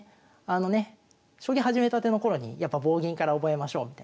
あのね将棋始めたての頃にやっぱ棒銀から覚えましょうみたいなね